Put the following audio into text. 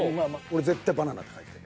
俺絶対バナナって書いてた。